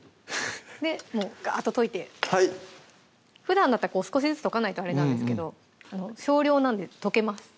もうガーッと溶いてはいふだんだったら少しずつ溶かないとあれなんですけど少量なんで溶けます